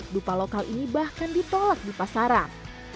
dupa lokal ini bahkan ditolak di pasaran